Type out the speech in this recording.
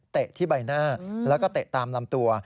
ที่ใบหน้าแล้วก็เตะตามลำตัว